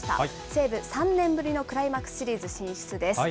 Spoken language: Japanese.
西武、３年ぶりのクライマックスシリーズ進出です。